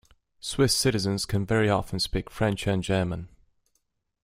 Swiss citizens can very often speak French and German.